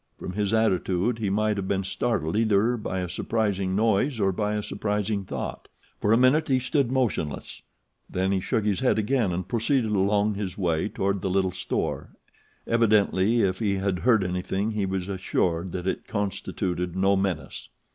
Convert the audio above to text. From his attitude he might have been startled either by a surprising noise or by a surprising thought. For a minute he stood motionless; then he shook his head again and proceeded along his way toward the little store; evidently if he had heard anything he was assured that it constituted no menace.